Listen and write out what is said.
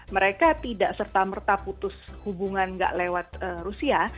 mereka tidak serta merta putus hubungan nggak lewat rusia